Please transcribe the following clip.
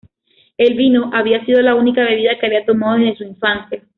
El vino había sido la única bebida que había tomado desde su infancia.